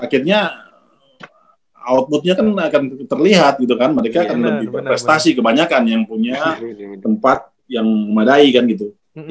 akhirnya outputnya kan akan terlihat gitu kan mereka akan lebih berprestasi kebanyakan yang punya tempat yang memadai kan gitu